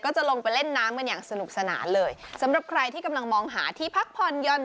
จะลงไปเล่นน้ำกันอย่างสนุกสนานเลยสำหรับใครที่กำลังมองหาที่พักผ่อนหย่อน